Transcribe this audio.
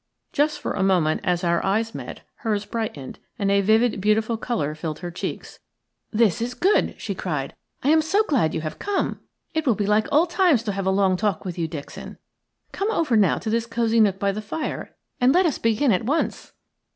Just for a moment as our eyes met hers brightened, and a vivid, beautiful colour filled her cheeks. "This is good!" she cried. "I am so glad you have come! It will be like old times to have a long talk with you, Dixon. Come over now to this cosy nook by the fire and let us begin at once."